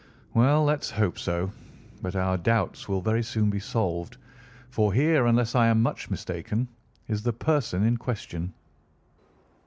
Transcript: "Well, let us hope so. But our doubts will very soon be solved, for here, unless I am much mistaken, is the person in question."